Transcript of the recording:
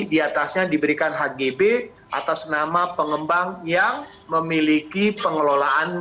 diatasnya diberikan hgb atas nama pengembang yang memiliki pengelolaan